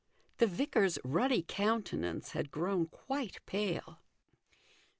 The vicar's ruddy countenance had grown quite pale.